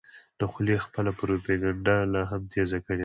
له خولې خپله پروپیګنډه لا هم تېزه کړې ده.